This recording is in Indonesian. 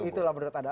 itulah menurut anda